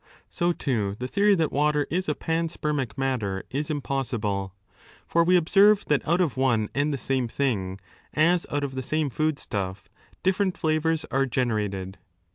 So too, the theory that water is a panspermic matter is impossible. 5 For we observe that out of one and the same thing, as out of the same food stuff, different flavours are generated.